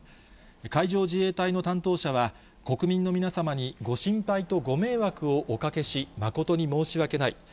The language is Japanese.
海上自衛隊の担当者は、国民の皆様にご心配とご迷惑をおかけし、誠に申し訳ない。